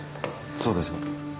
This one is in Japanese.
そうですが。